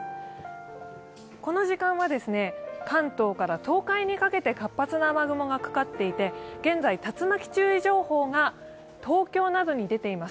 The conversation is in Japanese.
この時間は、関東から東海にかけて活発な雨雲がかかっていて現在、竜巻注意情報が東京などに出ています。